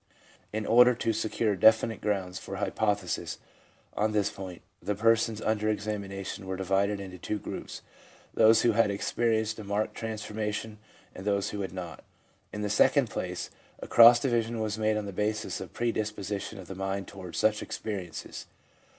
* In order to secure definite grounds for an hypothesis on this point, the persons under examination were divided into two groups, those who had experienced a marked transformation, and those who had not. ... In the second place, a cross division was made on the basis of pre disposition of the mind towards such experiences.